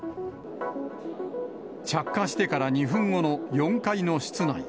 着火してから２分後の４階の室内。